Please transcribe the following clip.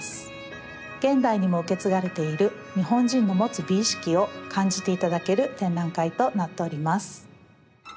現代にも受け継がれている日本人の持つ美意識を感じて頂ける展覧会となっております。